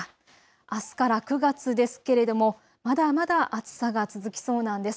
あすから９月ですけれどもまだまだ暑さが続きそうなんです。